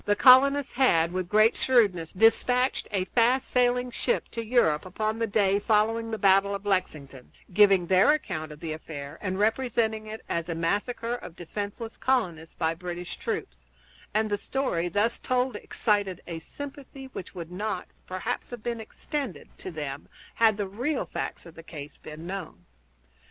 The colonists had, with great shrewdness, dispatched a fast sailing ship to Europe upon the day following the battle of Lexington, giving their account of the affair, and representing it as a massacre of defenseless colonists by British troops; and the story thus told excited a sympathy which would not, perhaps, have been extended to them had the real facts of the case been known.